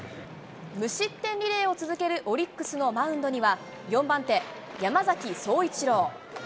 無失点リレーを続けるオリックスのマウンドには、４番手、山崎颯一郎。